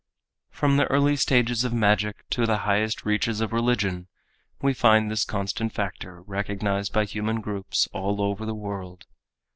From the early stages of magic to the highest reaches of religion we find this constant factor recognized by human groups all over the world.